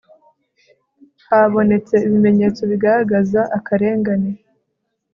habonetse ibimenyetso bigaragaza akarengane